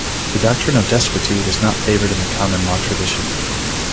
The doctrine of desuetude is not favoured in the common law tradition.